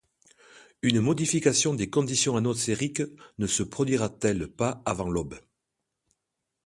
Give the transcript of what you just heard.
Une modification des conditions atmosphériques ne se produirait-elle pas avant l’aube?